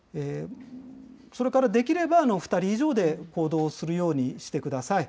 それからできれば２人以上で行動をするようにしてください。